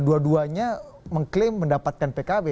dua duanya mengklaim mendapatkan pkb